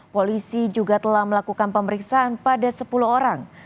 polisi juga telah melakukan pemeriksaan pada sepuluh orang